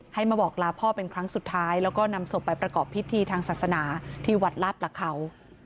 ให้มาบอกลาพ่อเป็นครั้งสุดท้ายแล้วก็นำศพไปประกอบพิธีทางศาสนาที่วัดลาดประเขา